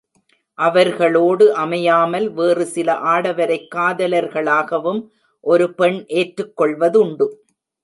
அவர்களோடு அமையாமல், வேறுசில ஆடவரைக் காதலர்களாகவும் ஒரு பெண் ஏற்றுக் கொள்வதுண்டு.